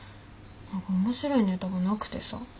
何か面白いネタがなくてさ。